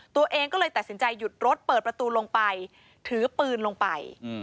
ตัวเองก็เลยตัดสินใจหยุดรถเปิดประตูลงไปถือปืนลงไป